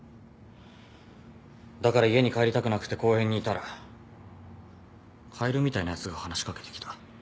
だから家に帰りたくなくて公園にいたらカエルみたいなやつが話し掛けてきた。